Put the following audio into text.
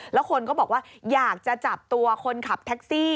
แล้วคนก็บอกว่าอยากจะจับตัวคนขับแท็กซี่